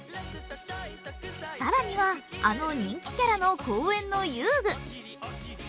更には、あの人気キャラの公園の遊具。